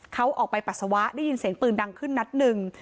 เขาออกไปปัสสาวะได้ยินเสียงปืนดังขึ้นนัดหนึ่ง